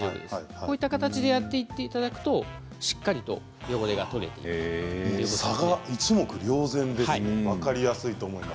こういう形でやっていただくとしっかり汚れが取れます。